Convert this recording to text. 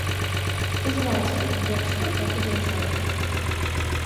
Ужываецца як для хлопчыкаў, так і дзяўчат.